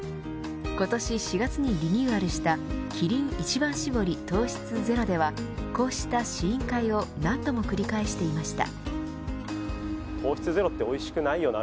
今年４月にリニューアルしたキリン一番搾り糖質ゼロではこうした試飲会を何度も繰り返していました。